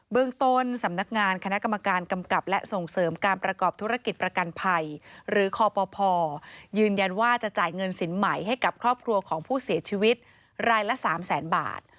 เรื่องต้นสำนักงานคณะกรรมการกำกับและส่งเสริมการประกอบธุรกิจประกันภัยหรือคปยืนยันว่าจะจ่ายเงินสินใหม่ให้กับครอบครัวของผู้เสียชีวิตรายละ๓แสนบาท